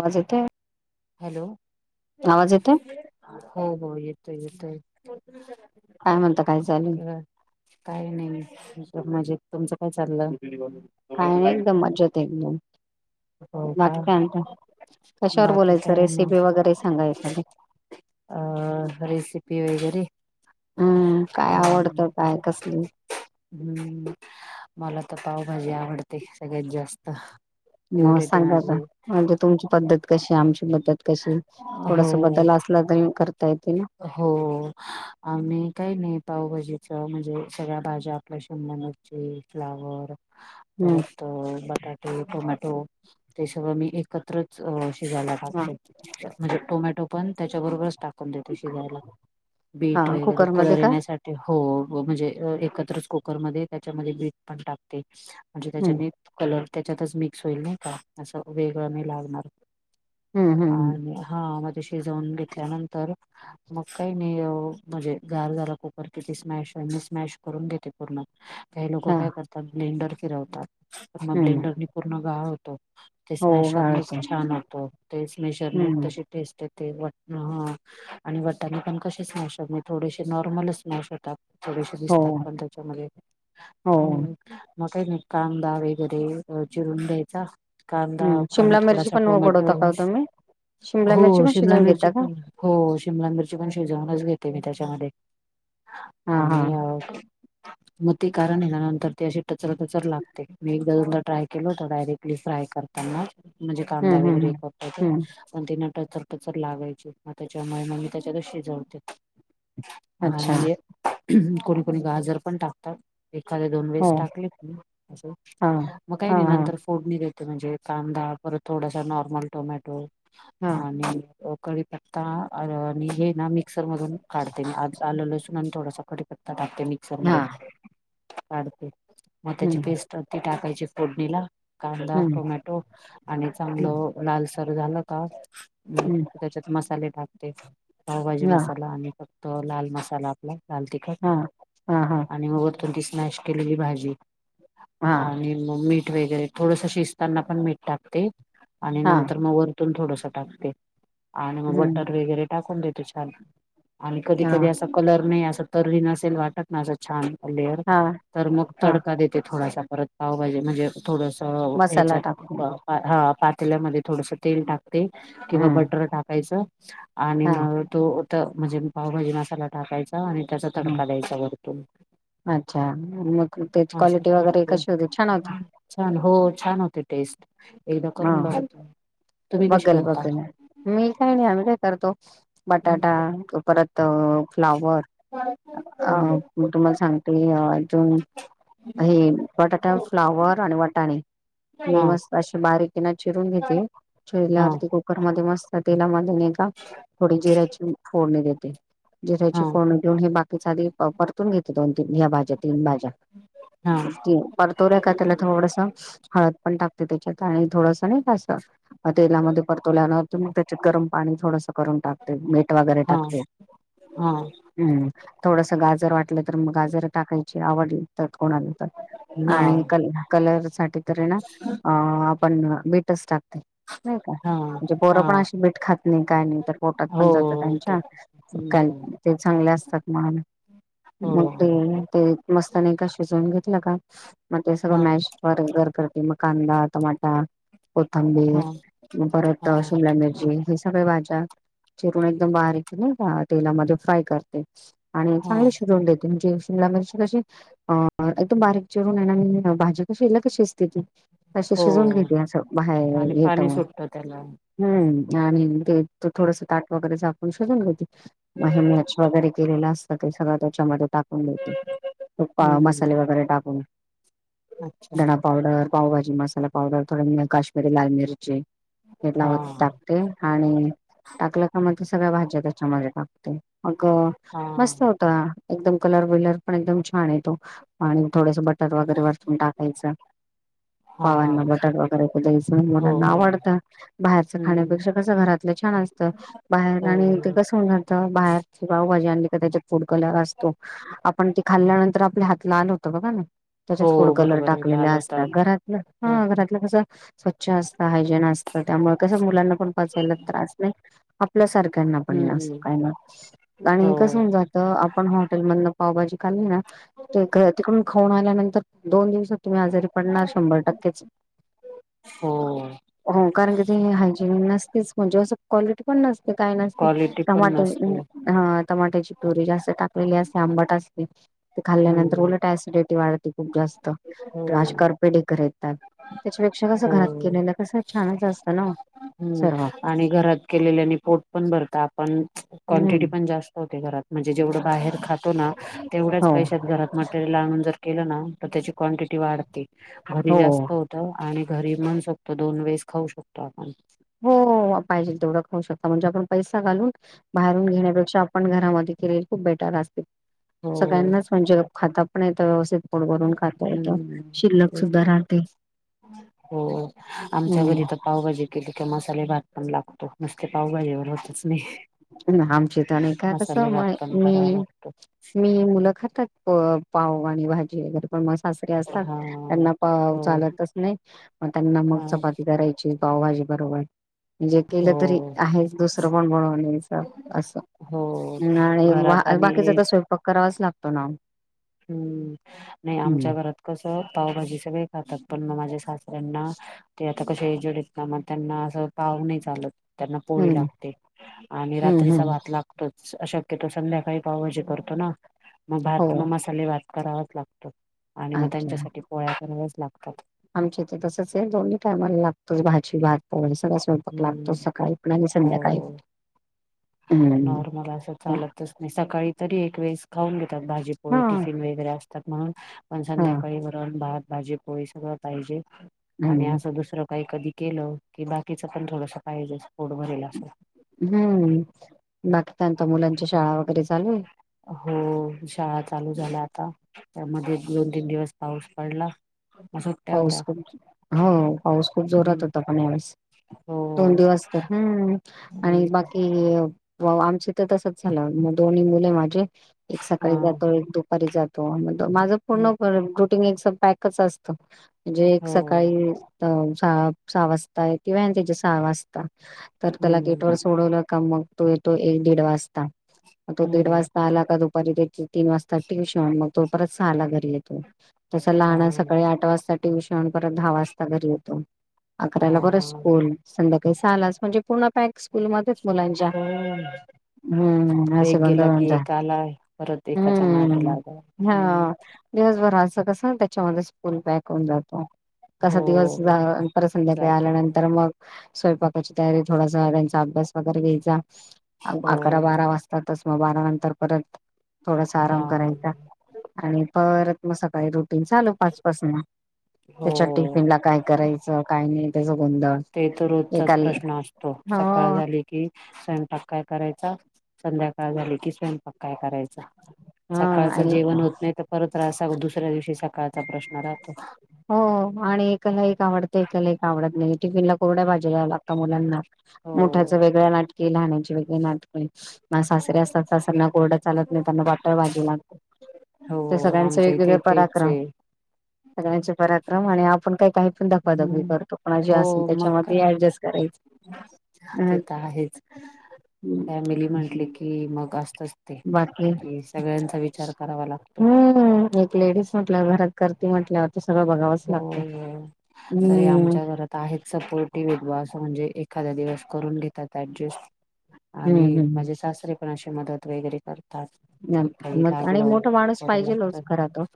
आवाजं येतोयं? हॅलो येतोय हो हो येतोय येतोय. काय म्हणता काय चालु. काही नाही म्हजे तुमचं काय चाललं. काय नाही एकदम मजेत आहे एकदम हो का बाकी काय म्हणता कशावर बाकी बोलायचं काय नाही रेसिपी वगैरे सांगा एखादी अ रेसिपी वगैरे हम्म काय अ आवडतं काय कसली हम्म मला तर पावभाजी आवडते सगळ्यात जास्त मग फेवरेट आहे सांगा आता माझी म्हणजे तुमची पद्धत कशी आमची पध्दत कशी थोडास हो बदल असला तरी करता येते ना. हो आम्ही काही नाही पावभाजीच म्हणजे सगळ्या भाज्या आपली शिमला मिरची, फ्लावर हम्म परत बटाटे टोमॅटो ते सगळ मी एक एकत्रच शिजायला टाकतो म्हणजे टोमॅटो पण त्याच्याबरोबरच टाकतो. ठेवते शिजायला हा बिट वगैरे कुकरमध्ये का होय हो म्हणजे एकत्र कुकरमध्ये त्याच्यामध्ये बीट पण टाकतेच. म्हणजे हम्म त्याच्याने कलर त्याच्यातच मिक्स होईल नाही का? असं वेगळं नाई लागणार. हम्म हम्म हम्म आणि हा, माझ्या शिजवून घेतल्यानंतर तर मग काही नाही, म्हणजे गार झाला कुकर किती स्मॅश, आहे मी स्मॅश करूने. ण काही लोक हा काय करतात ब्लेंडर फिरवतात मग हम्म ब्लेंडर पूर्ण गाळऽ. ते हो स्शरच गाळतो छान होतो ते स्नेशर हम्म तज्या तेच तर ते वटणं हा. आणि वटाणे पण कसे म्यान होत नाहीत थोडीशेच नॉर्मलच म्याश होतात. थोडेसे हो दिसतात पण त्याच्यामध्ये हो हम्म. मग काही नाही कांदा वगैरे चिरून द्यायचा. कांदा हम्म पण शिमला मिरची थोडासा पण टोमॅटो उघडवता का ओ तुम्ही शिमला मिरची हो पण शिमला शिजवून मिरची घेता का पण हो शिमला मिरची पण शिजवूनच घेते मी त्याच्यामध्ये हा हा आणि मग ते कारण आहे ना नंतर ती अशी टचरा टचर लागते मी एकदा दोनदा ट्राय केलं होत डायरेक्ट आपली फ्राय करताना म्हणजे हम्म कांदा हम्म वगैरे हम्म एक वापरते हम्म पण तेना टचर टचर लागायची. त्याच्यामुळे मग मी त्याच्यातच शिजवते अच्छा आणि कोणी कोणी गाजर पण टाकतात. एखादे दोन हो वेळेस टाकलेत मी अस हा मग काही हा नाही नंतर फोडणी देते म्हणजे कांदा परत थोडासा नॉर्मल टोमॅटो हा आणि कडीपत्ता हे ना मिक्सर मधून काढते मी आ आल, लसुण थोडासा कडीकत्ता टाकते मिक्सर हा मध्ये काढते मोत्याची हम्म पेस्ट ती टाकायची फोडणीला कांदा, हम्म टोमॅटो आणि हम्म चांगलं लालसर झालं का हम्म त्याच्यात मसाले टाकते पावभाजी हा मसाला आणि फक्त लाल मसाला आपला लाल तिखट हा हा हा. आणि मग वरतून ती स्मॅश केलेली भाजी हा आणि मीठ वगैरे थोडस शिजताना पण मीठ टाकते आणि हा नंतर मग वर थोडस टाकते. आणि मग हम्म बटर वगैरे टाकून देते छान आणि कधी हा कधी अस. कलर नाही अस तर नसेल वाटत ना असं छान लेअर हा तर मग हा तडका देत. ते थोडासा परत पाव पाहिजे म्हणजे थोडस मसाला ह्याच्यात टाकून हा पातल्यामध्ये थोडस तेल टाकते किंवा हम्म बटर टाकायच आणि हा मग तो म्हणजे पावभाजी मसाला टाकायचा आणि त्याचा हम्म तडका द्यायचा वरतून अच्छा मग त्याची असं क्वालिटी वगैरे करते कशी होते छान होते. छान हो छान होते टेस्ट एकदा हा करून बघ तुम्ही कशी बघेल करता.. बघेल मी काही नाही आम्ही काय करतो बटाटा परत फ्लावर अ म तुम्हाला सांगते अ अजून हे बटाटा फ्लावर आणि वटाणे मी हा मस्त बारीकेन चिरून घेते हा चिरल्यावरती कुकरमध्येध्ये मस्त तेलामध्येका थोडी जिराची फोडणी देते. जे त्याची हा हा फोन घेऊन हे बाकीच आधी परतून घेते दोन तीन ह्या भाज्या तीन भाज्या. हा. परतोर्या का त्याला थोडस हळद पण टाकते त्याच्यात आणि थोडस नाही कां? तेलामध्ये परतवल्यान त्याच्यात गरम पाणी थोडंस. करून टाकते मीठ वगैरे हा टाकते. हम्म थोडस गाजर वाटलं तर मग गाजर टाकायची आवडतात कोणाला? आणि कल कलर साठी तरी ना अ आपण बीटच टाकते नाही का हा म्हणजे पोरं हा पण अशी बीट खात नाही काय नाही तर पोटात पण जात हो ते त्यांच्या का हम्म ते चांगल्या असतात म्ह हो मग ते ते मस्तने का शिजवून घेतलं का मग ते हा सगळं मॅश वगैरे करते मग कांदा टमाटर हा कोथंबीर परत हा शिमला मिरची. सगळ्या भाज्या चिरून एकदम बारीक तेलामध्ये फ्राय करत आणि हा चांगले शेड्यूल देते म्हणजे‌ शिमला मिरची कशी अ एकदम बारीक चिरून आहे ना भाजी शिजली की शिजते. तशी हो शिजवून घेते अस बाहेर आणि पाणी येटव सुटतं त्याला हम् आणि ते त थोडस ताट वगैरे झाकून शोजून घेती. म हे मॅच वगैरे केलेला असत ते सगळं त्याच्यामध्ये टाकून दते. खू हम्म मसाले वगैरे टाकून अच्छा धणा पावडर. पावभाजी मसाला पावडर थोड काश्मीरी लाल मिरची. हेला हा होत टाकते आणि टाकलं का मग ते सगळ्या भाज्या त्याच्यामध्ये टाकते मग हा मस्त होत. एकदम कलर विलर पण एकदम छान येतो आणि थोडस बटर वगैरे वरतून टाकायचं. हा पावांना बटाट वगैरे कु द्यायचं हो मुलांना आवडतं. बाहेरच हम्म खाण्यापेक्षा कस घरातलं छान असतं बाहेर हो आणि ते कस होन घल बाहेरची गावभाजी आणली का त्याच्यात फूड कलर असतो आपण ती खाल्ल्यानंतर आपल्या हात लहान होत बघा ना त्याच्यात फूड हो कलर बरोबर आहे टाकलेल्या लाल होतात असतात घरात हा घरातलं कस स्वच्छ असतं हायजीन असतं त्यामुळे कसं मुलांना पण पचायला त्रास आपल्या सारख्यांना पड हम्म ग हो हे कसन जात आपण हॉटेल मध पावभाजी खाली ना ते तिकडून खाऊन आल्यानंतर दोन दिवस तुम्ही आजारी पडणार शंभर टक्केच हो हो कारण कि ते हायजिन नसतेच म्हणजे असं क्वालिटी पण नसते काय नसते. क्वालिटी पण टमाटे नसते ह टमाट्याची पोरी जास्त टाकलेली असते आंबाट असते. ते खाल्ल्यानंतर हम्म उलट सिडिटी वाढते खूप जास्त हो पेढ घ येतात त्याच्यापेक्षा कसं घरात हो केलेलं कसं छानच असतं ना हम्म सर्व. आणि घरात केलेल्याने पोट पण भरत आपण हम्म क्वांटिटी पण जास्त होते घरात म्हणजे जेवढं बाहेर खातो ना तेवढ्याच हो पैशात घरात मटेरियल आणून जर केलं ना तर त्याची क्वटिटी वाढते घरी हो जास्त आणि घरी म्हण शकतो दोन वेळेस खाऊ शकतो आपण हो पाहिजे तेवढं खाऊ शकता म्हणजे आपण पैसा घालून बाहेरून घेण्यापेक्षा आपण घरामध्ये केले खूप बेटर असत. हो सगळ्यांनाच म्हणजे खाता पण येतं व्यवस्थित ड भून खात होत हम्म शिल्लक तेच सुद्धा ना राहते. हो आमच्या घरी हम्म तर पावभाजी केली किवा मसाले भात पण लागतो नुसते पावभजीवर होतच. नाही आमची तर आणि का कसं मसाले म भात पण करावा मी लागतो मी मुलं खातात पाव आणि भाजी वगैरे पण मग सासरे असतात. हा त्यांना प हो चालतच नाही मग त्यांना मग हा चपाती करायची पावभाजी बरोबर. म्हणजे केलं हो तरी आहेच दुसरं पण बनवणे. असं हो आणि घरात बाकीचा आणि तर स्वयंपाक करावाच लागतो ना. हम्म नाही हम्म आमच्या घरात कस पावभाजी सगळे खातात पण माझ्या सासरा त्यांना ते आता कश हेजडीत का मग त्यांना असं पाह नाही चालत. त्यांना पोळी हम्म लागते आणि हम्म रात्रीचा हम्म भात लागतोच. शक्यतो संध्याकाळी पावभजी करतो ना मग हो भात मग मसाले भात करावाच लागतो. आणि मग अच्छा त्यांच्यासाठी पोळ्या बनवच लागतात. आमच्या इथ तसच आहे दोन्ही टायमाला लागतोच भाजी भात पोळी सगळं. स्वपक लागतो हम्म सकाळी पण आणि संध्याकाळी हो हम्म नॉर्मल असं हा चालतच नाही सकाळी तरी एक वेळेस खाऊन घेतात भाजीपोळी टिफिन वगैरे असत. तर मग पण हा संध्याकाळी वरून भात भाजी पोळी सगळं पाहिजे. आणि हम्म असं दुसरं काही कधी केलं की बाकीचं पण थोडस पाहिजे स् फोट भरेल असं. हम्म बाकी त्यां मुलांची शाळा वगैरे चालू आहे. हो शाळा चालू झाल्या आता त्यामध्ये दोन तीन दिवस पाऊस पडला. मग सुट्ट्या होत्या पाऊस खूप हो पाऊस खूप जोरात हम्म होता पण यावेळेस दोन हो दिवस हम्म हम्म आणि बाकी वा आमचे तर तसच झालं दोन्ही मुले माझे एक हा सकाळी जातो एक दुपरी घरी जातो माझ हम्म पूर्ण रुटींग एकपॅकच असत. म्हणजे एक हो सकाळी सहा सहा वाजताय किंवा त्याच्या सहा वाजता तर त्याला गेटवर हम्म सोडवलं का मग तो येतो एक दीड वाजता मो दीड हम्म वाजता आला का तो परिजेत ची तीन वाजता ट्युशन म तो परत सहायला घरी येतो तस लह. हा आठ वाजता ट्युशन परत दहा वाजता घरी येतो हा अकराला परत स्कूल संध्या सहाला म्हणजे पूर्ण पॅक स्कूल मध्येच मुलांच्या हो हम्म आस एक गेला की गोडलंहुन जातंय एक आला परत एकाच्या मागे हम्म लागला हम्म हा. दिवसभराचं कसं त्याच्यामध्ये स्कूल बॅग होन जातो. हो कसा दिवस च संध्याकाळी जातो आल्यानंतर मग स्वयंपाकाची तयारी थोडासा त्यांचा अभ्यास वगैरे घ्यायचा हो अकरा बारा वाजता ात्यातच मग बारा नंतर परत थोडासा हा आराम करायचा. आणि परत मग सकाळी रोटीन चालू पाचपासन त्याच्या हो टीपीनला काय करायचं काय नाही त्याचा गोंधळ. ते तर रोजचाच एकाल प्रश्न असतो सकाळ हो झाली. कि स्वयंपाक काय करायचा संध्याकाळ झाली कि स्वयंपाक काय करायच हा सकाळचं आणि जेवण होत नाही तर परत रा दुसऱ्या दिवशी सकाळचा प्रश्न राहतो. हो आणि एकाला एक आवडतं एकाला एक आवडत नाही टिफिनला कोरड्या भाजी देयाला लागतो. आत्ता मुलांना मोठ्याच वेगळं नाटके लहाण्याची वेगळी नाटके म सासरे असतात सासऱ्यांना कोरडं चालत नाही त्यांना वाटळ बाजी लागते. ते हो सगळ्यांचे आमच्या वेगवेगळे इथे तेच पराक्रम आहे सगळ्यांचे पराक्रम आणि आपण काही पण धबाकाधी करतो कोणा जे असेल हो त्याच्यामध्ये ऍडजस्ट करायचं. ात येत आहेच. फॅमिली म्हंटले की मग असतच ते कि सगळ्यांचा विचार करावा लागतो. हमम एक लेडीज म्हटल्यावर घरात करती म्हटल्यावर ते सगळं बघावं. हो हो तरी आमच्या घरात आहेत सपोर्टिव असं म्हणजे एखाद्या दिवस करून घेतात ऍडजस्ट आणि हम्म हम्म माझे सासरे पण असे मदत वगैरे करतात. काही मॅम आणि लागलं मोठ माणूस करू पाहिजे लोच लागतात खरा तो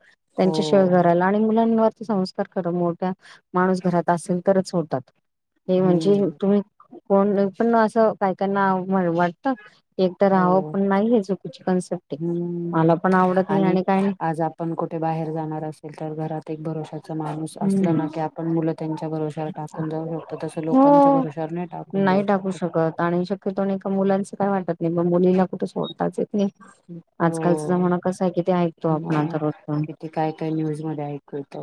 हो त्यांच्या शेवया घरायला आणि मुलांवरती संस् [unintelligible] खरं मोठ्या माणूस घरात असेल तरच होतात हे म्हणजे हम्म तुम्ही कोण पण असं काही कायंना अस वाटत. एक तर हो राहावं पण नाहीये चुकीची कन्सेप्ट आहे. हम्म मला पण आवडत नाही आणि काय आ नाही. आज आपण कुठे बाहेर जाणार असेल तर घरात एक भरोश्याचा माणूस असल ना हम्म. की पण मुलं त्यांच्या भरवश्यावर टाकून जाऊ शकतो तसं लोकांच्या भरवश्यावर नाही टाकून जाऊ शकत. हा शक आणि [unintelligible] पण एका मुलांचं काय वाटत नाही म मुलीला कुठे सोडताच येत नाही. हो आजकालचा जमाना कसा आहे की ते ऐकतो आपण मग आथ रजण किती काय काय न्यूज मध्ये ऐकू येत.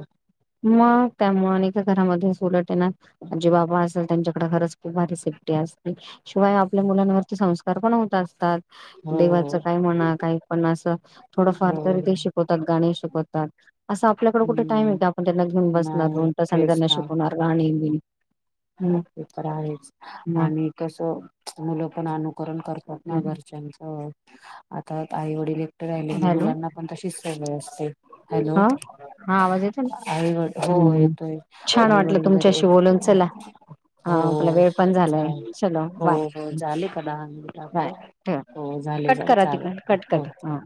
मग त्यामुळे आणि घरामध्ये अस उलट येणार जे बाबा असेल त्यांच्याकडे खरंच त भारी सेफ्टी असते शिवाय आपल्या मुलांवरती संस्कार पण होत असतात. हो देवाचं काय म्हणा काय पण असं थोडंफार हो तरी ते शिकवतात गाणी शिकवतात असं आपल्याकडे कुठे टाईम आहे हम्म का तेना घेऊन बसणार नाही दोन तासने तेच त्यांना ना शिकवणार गाणी बिणी हम्म ते तर आहेच मग आणि कस मुलं पण अनुकरण करतात. तेना हम्म. घरच्यांच आता आई वडील राहिली म हॅलो मुलांना पण तशीच सवय असते हॅलो. हा हा आवाज येतो ना आईवड हो हो हम्म. येतोय छान वाटलं आईवडील जर तुमच्याशी एकट बोलून चला हा हो आपला वेळ पण झालाय चालेल चलो हो बाय. हो झाले का दहा मिनट बाय आपले. ठेवा हो झाले कट झाले करा तिकडन चालेल कट हो. करा हा.